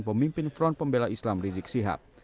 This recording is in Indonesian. pemimpin front pembela islam rizik sihab